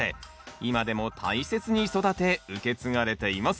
今でも大切に育て受け継がれています。